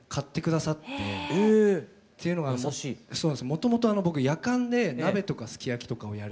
もともと僕やかんで鍋とかすき焼きとかをやるぐらい。